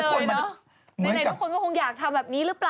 ไหนทุกคนก็คงอยากทำแบบนี้หรือเปล่า